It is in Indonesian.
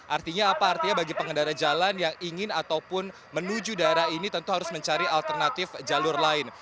artinya apa artinya bagi pengendara jalan yang ingin ataupun menuju daerah ini tentu harus mencari alternatif jalur lain